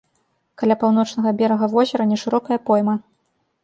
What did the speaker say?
Каля паўночнага берага возера нешырокая пойма.